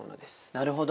なるほど。